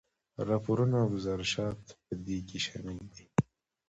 راپورونه او ګذارشات په دې کې شامل دي.